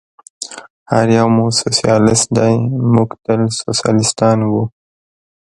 هر یو مو سوسیالیست دی، موږ تل سوسیالیستان و.